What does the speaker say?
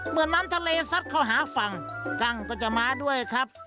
น้ำทะเลซัดเข้าหาฝั่งกั้งก็จะมาด้วยครับ